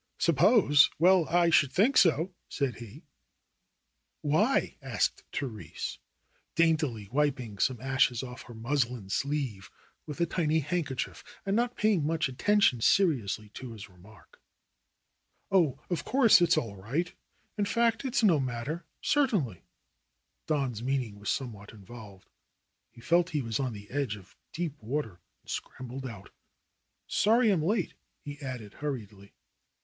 "Suppose ! Well, I should think so !" said he. "Why ?" asked Therese, daintily wiping some ashes off her muslin sleeve with a tiny handkerchief and not pay ing much attention seriously to his remark. "Oh, of course it's all right. In fact it's no matter. Certainly." Don's meaning was somewhat involved. He THE ROSE COLORED WORLD 7 felt he was on the edge of deep water and scrambled out. "Sorry I am late/^ he added hurriedly.